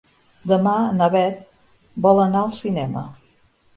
Demà na Beth vol anar al cinema.